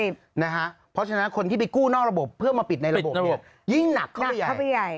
เพราะฉะนั้นคนที่ไปกู้นอกระบบเพื่อมาปิดในระบบนี้ยิ่งหนักเข้าใหญ่